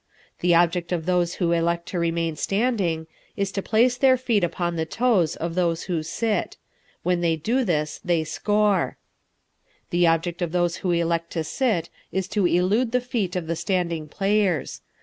The object of those who elect to remain standing is to place their feet upon the toes of those who sit; when they do this they score. The object of those who elect to sit is to elude the feet of the standing players.